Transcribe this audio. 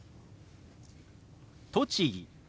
「栃木」。